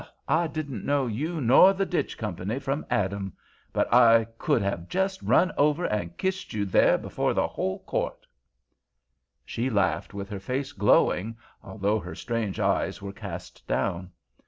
I didn't know you nor the Ditch Company from Adam, but I could have just run over and kissed you there before the whole court!" She laughed, with her face glowing, although her strange eyes were cast down.